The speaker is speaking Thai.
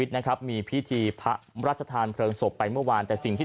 นะครับมีพิธีพระราชทานเพลิงศพไปเมื่อวานแต่สิ่งที่